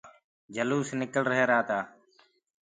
جلوس ڻڪݪ رهيرآ تآ۔